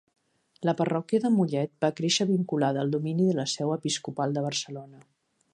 La parròquia de Mollet va créixer vinculada al domini de la seu episcopal de Barcelona.